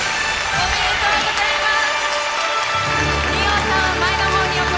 おめでとうございます。